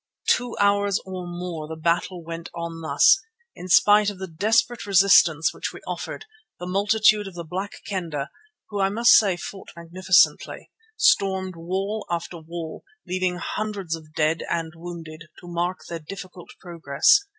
Two hours or more the battle went on thus. In spite of the desperate resistance which we offered, the multitude of the Black Kendah, who I must say fought magnificently, stormed wall after wall, leaving hundreds of dead and wounded to mark their difficult progress.